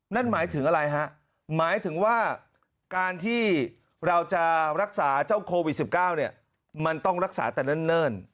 นั่นหมายถึงอะไรฮะหมายถึงว่าการที่เราจะรักษาเจ้าโควิด๑๙เนี่ยมันต้องรักษาแต่เนิ่น